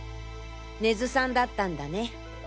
根津さんだったんだね！